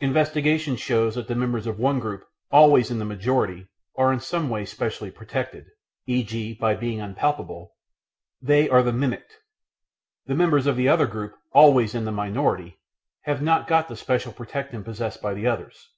Investigation shows that the members of the one group, always in the majority, are in some way specially protected, e.g. by being unpalatable. They are the "mimicked." The members of the other group, always in the minority, have not got the special protection possessed by the others.